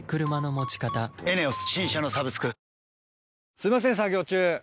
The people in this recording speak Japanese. すいません作業中